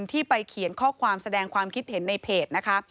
ที่ไปเขียนข้อความแสดงความคิดเห็นในเพจนะคะ